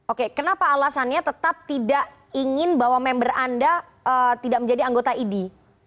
oke kenapa alasannya tetap tidak ingin bahwa member anda tidak menjadi anggota idi